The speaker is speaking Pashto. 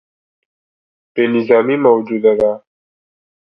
بې نظمي موجوده ده.